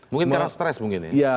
mungkin karena stres mungkin ya